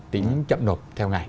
tính chậm nộp theo ngày